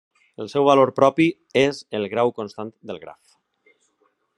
El seu valor propi és el grau constant del graf.